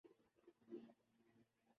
کاجن فرانسیسی